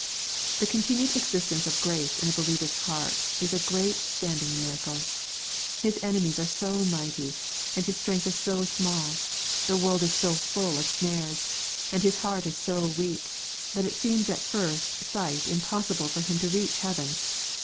The continued existence of grace in a believer's heart is a great standing miracle. His enemies are so mighty, and his strength is so small, the world is so full of snares, and his heart is so weak, that it seems at first sight impossible for him to reach heaven.